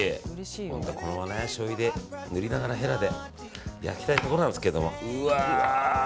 本当はこのまましょうゆで塗りながら、へらで焼きたいところなんですけど。